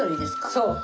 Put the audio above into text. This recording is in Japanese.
そう。